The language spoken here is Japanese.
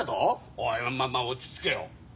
おいまあまあ落ち着けよ。